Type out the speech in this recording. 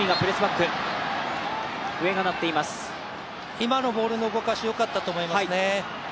今のボールの動かし、よかったと思いますね。